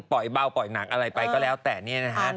เบาปล่อยหนักอะไรไปก็แล้วแต่เนี่ยนะฮะ